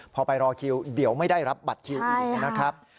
พอไปรอคิวเดี๋ยวไม่ได้รับบัตรคิวอีกนะครับ